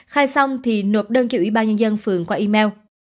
khai xong thì nộp đơn kiểu ủy ban nhân dân phường qua email